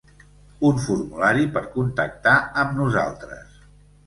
Un formulari per contactar amb nosaltres.